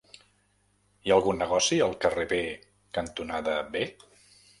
Hi ha algun negoci al carrer B cantonada B?